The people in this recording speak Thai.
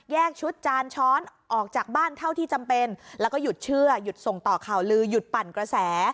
ชุดจานช้อนออกจากบ้านเท่าที่จำเป็นแล้วก็หยุดเชื่อหยุดส่งต่อข่าวลือหยุดปั่นกระแส